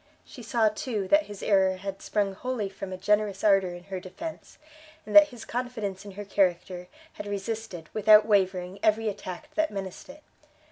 She saw, too, that his error had sprung wholly from a generous ardor in her defence, and that his confidence in her character, had resisted, without wavering, every attack that menaced it.